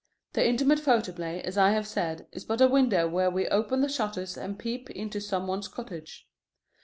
The Intimate Photoplay, as I have said, is but a window where we open the shutters and peep into some one's cottage.